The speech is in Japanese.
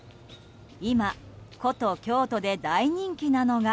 今、古都・京都で大人気なのが。